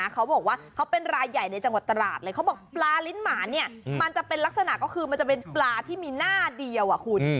เขาบอกว่าเขาเป็นรายใหญ่ในจังหวัดตราดเลยเขาบอกปลาลิ้นหมาเนี่ยมันจะเป็นลักษณะก็คือมันจะเป็นปลาที่มีหน้าเดียวอ่ะคุณ